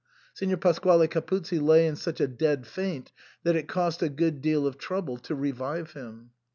Signor Pasquale Capuzzi lay in such a dead faint that it cost a good deal of trouble to revive him.